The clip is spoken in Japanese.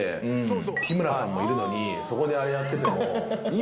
もいるのにそこであれやってても。